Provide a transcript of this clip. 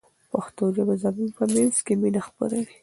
پښتو ژبه زموږ په منځ کې مینه خپروي.